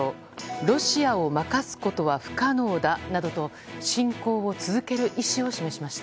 ロシアを負かすことは不可能だなどと侵攻を続ける意思を示しました。